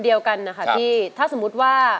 เธอคงตรงที่สุด